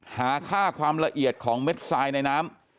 หาค่าความละเอียดของเม็ดทรายในน้ำ